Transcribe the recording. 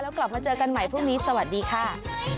กลับมาเจอกันใหม่พรุ่งนี้สวัสดีค่ะ